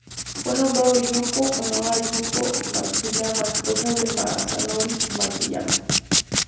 Fue nombrado Yuuko en honor a Yuuko Matsuyama, esposa de Masanori Matsuyama.